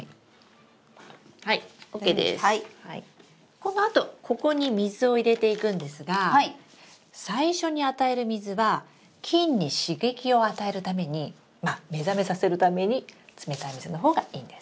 このあとここに水を入れていくんですが最初に与える水は菌に刺激を与えるためにまあ目覚めさせるために冷たい水の方がいいんです。